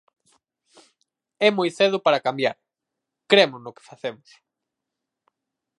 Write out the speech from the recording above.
É moi cedo para cambiar, cremos no que facemos.